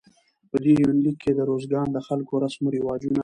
په دې يونليک کې د روزګان د خلکو رسم رواجونه